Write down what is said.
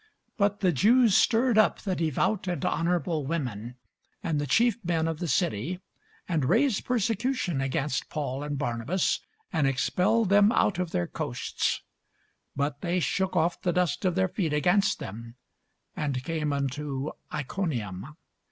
But the Jews stirred up the devout and honourable women, and the chief men of the city, and raised persecution against Paul and Barnabas, and expelled them out of their coasts. But they shook off the dust of their feet against them, and came unto Iconium.